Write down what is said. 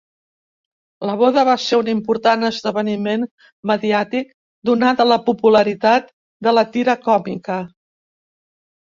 La boda va ser un important esdeveniment mediàtic, donada la popularitat de la tira còmica.